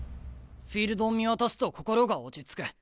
フィールドを見渡すと心が落ち着く。